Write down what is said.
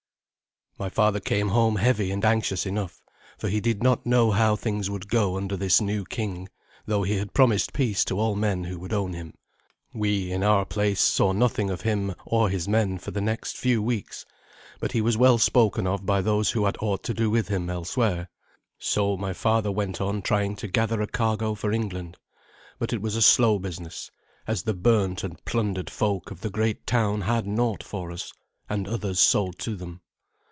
My father came home heavy and anxious enough, for he did not know how things would go under this new king, though he had promised peace to all men who would own him. We in our place saw nothing of him or his men for the next few weeks, but he was well spoken of by those who had aught to do with him elsewhere. So my father went on trying to gather a cargo for England; but it was a slow business, as the burnt and plundered folk of the great town had naught for us, and others sold to them.